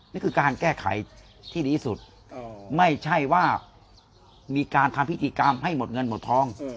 นี่คือการแก้ไขที่ดีสุดไม่ใช่ว่ามีการทำพิธีกรรมให้หมดเงินหมดทอง